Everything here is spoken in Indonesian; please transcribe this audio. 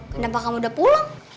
kenapa kamu udah pulang